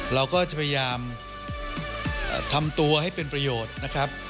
เราก็จะพยายามทำตัวให้เป็นประโยชน์นะครับ